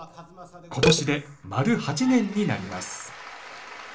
今年で丸８年になります。